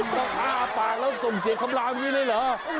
ต้องอ้าปากแล้วส่งเสียงคำลาอย่างนี้เลยเหรอ